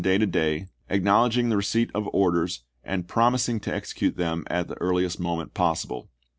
He replied from day to day, acknowledging the receipt of orders, and promising to execute them at the earliest mo van Home, ment possible.